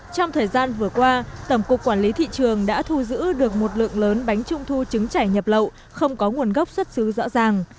trong thời gian vừa qua tổng cục quản lý thị trường đã thu giữ được một lượng lớn bánh trung thu trứng chảy nhập lậu không có nguồn gốc xuất xứ rõ ràng